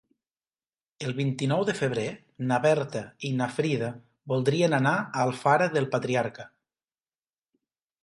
El vint-i-nou de febrer na Berta i na Frida voldrien anar a Alfara del Patriarca.